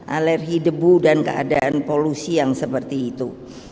alergi debu dan keadaan polusi yang seperti itu